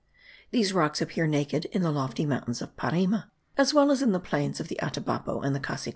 These rocks appear naked in the lofty mountains of Parima, as well as in the plains of the Atabapo and the Cassiquiare.